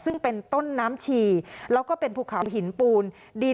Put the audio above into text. ซึ่งเป็นต้นน้ำฉี่แล้วก็เป็นภูเขาหินปูน